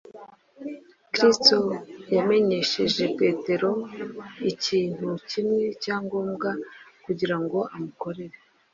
Kristo yamenyesheje petero ikintu kimwe cya ngombwa kugira ngo amukorere